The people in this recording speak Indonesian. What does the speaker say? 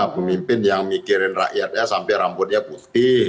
pemimpin yang mikirin rakyatnya sampai rambutnya putih